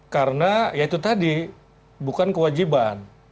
karena ya itu tadi bukan kewajiban